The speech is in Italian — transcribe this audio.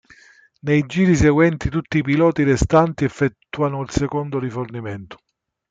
Nei giri seguenti tutti i piloti restanti effettuano il secondo rifornimento.